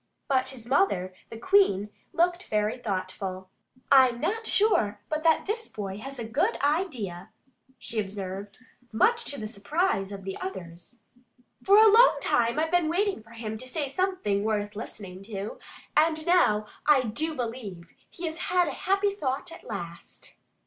But his mother, the Queen, looked very thoughtful. "I'm not sure but that this boy has a good idea," she observed, much to the surprise of the others. "For a long time I've been waiting for him to say something worth listening to. And now I do believe he has had a happy thought at last."